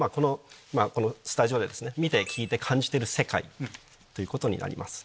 このスタジオで見て聞いて感じてる世界ということになります。